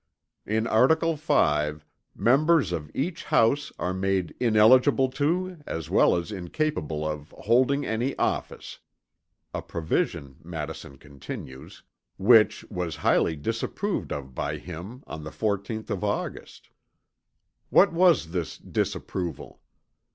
"In article V, members of each house are made ineligible to as well as incapable of holding any office" a provision, Madison continues, which "was highly disapproved of by him on the 14th of August." What was this disapproval?